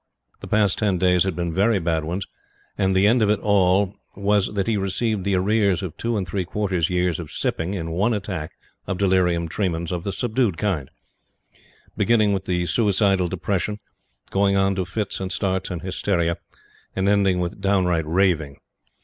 The past ten days had been very bad ones, and the end of it all was that he received the arrears of two and three quarter years of sipping in one attack of delirium tremens of the subdued kind; beginning with suicidal depression, going on to fits and starts and hysteria, and ending with downright raving.